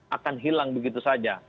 akan hilang begitu saja